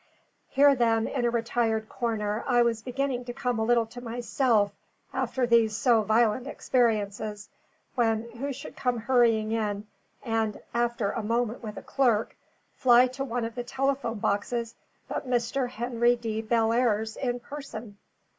Here, then, in a retired corner, I was beginning to come a little to myself after these so violent experiences, when who should come hurrying in, and (after a moment with a clerk) fly to one of the telephone boxes but Mr. Henry D. Bellairs in person?